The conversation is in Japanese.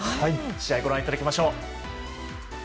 試合、ご覧いただきましょう。